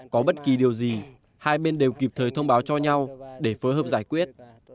có bất kỳ điều gì hai bên đều kịp thời thông báo cho nhau để phối hợp giải quyết